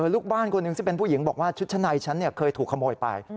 ลูกบ้านคนหนึ่งซึ่งเป็นผู้หญิงบอกว่าชุดชั้นในฉันเคยถูกขโมยไป